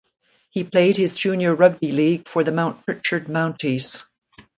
He played his junior rugby league for the Mount Pritchard Mounties.